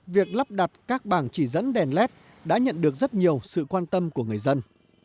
việc lắp đặt các bảng chỉ dẫn đèn led đã nhận được rất nhiều sự quan tâm của người dân